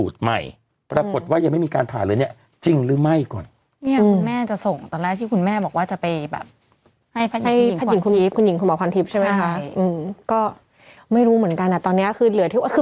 ใช่ไหมค่ะอืมก็ไม่รู้เหมือนกันแล้วตอนเนี้ยคือเหลือที่ก็คือ